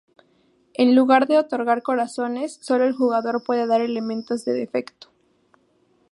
En lugar de otorgar corazones solo, el jugador puede dar elementos de defecto.